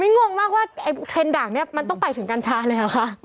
นี่งงมากว่าไอ้เทรนดด่างเนี่ยมันต้องไปถึงกัญชาเลยเหรอคะ